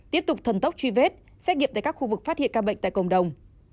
tiếp tục thần tốc truy vết xét nghiệm tại các khu vực phát hiện ca bệnh tại cộng đồng